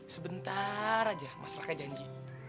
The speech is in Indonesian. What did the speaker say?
sebentar aja mas raka janji